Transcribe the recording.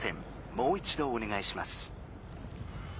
もう一どおねがいします」。